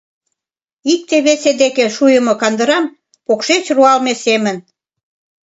Икте-весе деке шуйымо кандырам покшеч руалме семын.